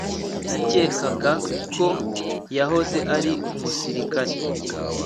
Nakekaga ko yahoze ari umusirikare